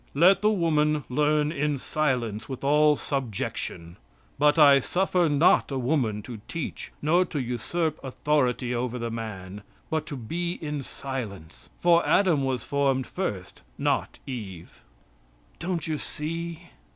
"Let the woman learn in silence with all subjection; but I suffer not a woman to teach nor to usurp authority over the man, but to be in silence for Adam was formed first, not Eve." Don't you see?